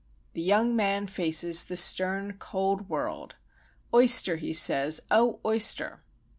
The young man faces the stern, cold world,— "Oyster!" he says, "O oyster!